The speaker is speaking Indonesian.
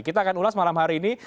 kita akan ulas malam hari ini